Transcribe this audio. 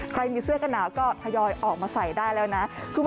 ใครมีเสื้อกันหนาวก็ทยอยออกมาใส่ได้แล้วนะ